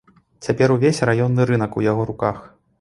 Цяпер увесь раённы рынак у яго руках.